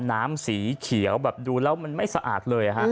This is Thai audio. สีเขียวแบบดูแล้วมันไม่สะอาดเลย